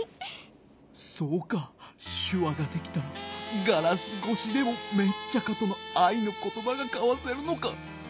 そうかしゅわができたらガラスごしでもメッチャカとのあいのことばがかわせるのか。